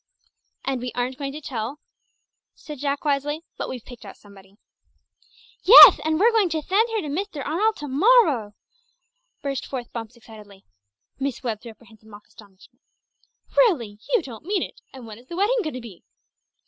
"And we aren't going to tell," said Jack wisely, "but we've picked out somebody." "Yeth, and we're going to thend her to Mr. Arnold to morrow!" burst forth Bumps excitedly. Miss Webb threw up her hands in mock astonishment. "Really! You don't mean it! And when is the wedding going to be?"